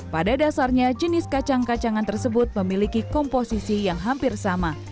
pada dasarnya jenis kacang kacangan tersebut memiliki komposisi yang hampir sama